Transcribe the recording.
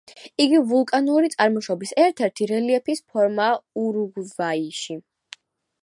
იგი ვულკანური წარმოშობის ერთადერთი რელიეფის ფორმაა ურუგვაიში.